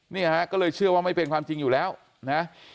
เนี่ยฮะก็เลยเชื่อว่าไม่เป็นความจริงอยู่แล้วนะ